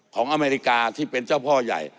อเมริกาที่เป็นเจ้าพ่อใหญ่